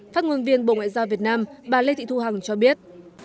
phát ngôn viên bộ ngoại giao việt nam bà lê thị thu hằng cho biết